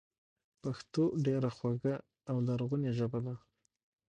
پښتو ډېره خواږه او لرغونې ژبه ده